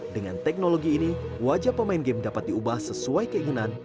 dengan teknologi ini wajah pemain game dapat diubah sesuai keinginan